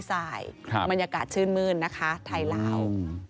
มันอยาการชื่นมืนไทยลาว